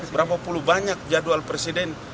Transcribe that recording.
berapa puluh banyak jadwal presiden